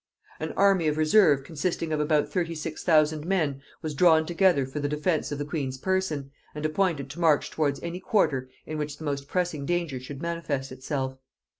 An army of reserve consisting of about thirty six thousand men was drawn together for the defence of the queen's person, and appointed to march towards any quarter in which the most pressing danger should manifest itself.